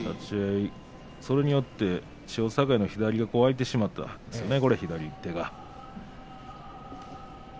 それによって千代栄の左が空いてしまったんですね。